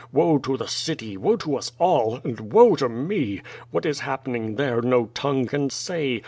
Woe to the city, woe to US all, and woe to me! What is happening there, no tongue can say.